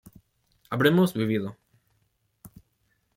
habremos vivido